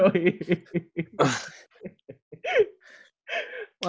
mantep bener nih ya